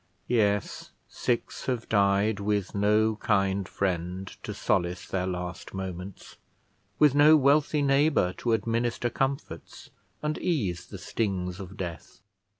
Yes, six have died, with no kind friend to solace their last moments, with no wealthy neighbour to administer comforts and ease the stings of death.